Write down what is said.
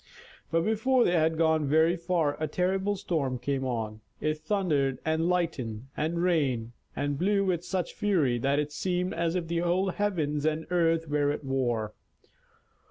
But before they had gone very far a terrible storm came on. It thundered and lightened and rained and blew with such fury that it seemed as if the whole heavens' and earth were at war.